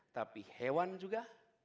tapi hewan juga